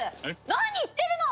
何言ってるの！？